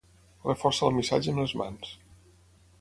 Reforça el missatge amb les mans.